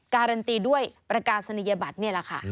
การันตีด้วยประกาศนียบัตรนี่แหละค่ะ